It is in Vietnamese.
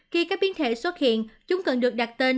khi các biến thể xuất hiện chúng cần được đặt tên